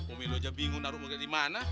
umi lo aja bingung naruh mu ke dimana